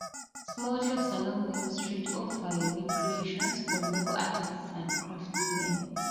Small shops along Main Street offer unique creations from local artists and craftsmen.